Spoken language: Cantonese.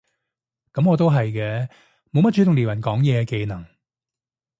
噉我都係嘅，冇乜主動撩人講嘢嘅技能